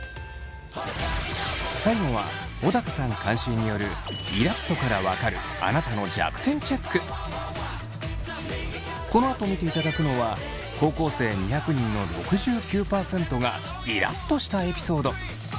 最後は小高さん監修によるこのあと見ていただくのは高校生２００人の６９％がイラっとしたエピソード。